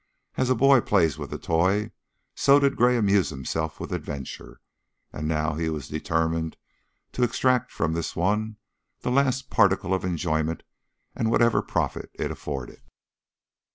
As a boy plays with a toy, so did Gray amuse himself with adventure, and now he was determined to exact from this one the last particle of enjoyment and whatever profit it afforded.